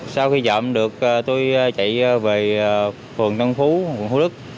sau khi chọn được tôi chạy về phường tân phú phường hồ đức